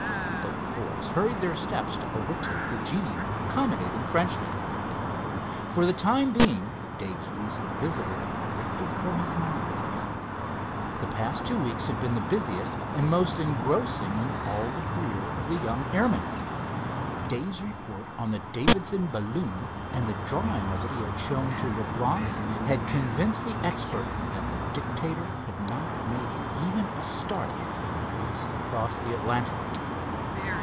Both boys hurried their steps to overtake the genial, accommodating Frenchman. For the time being Dave's recent visitor drifted from his mind. The past two weeks had been the busiest and most engrossing in all the career of the young airman. Dave's report on the Davidson balloon and the drawing of it he had showed to Leblance had convinced the expert that the Dictator could not make even a start in the race across the Atlantic.